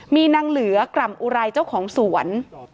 มีนางเหลือกล่ำอุไรเจ้าของสวน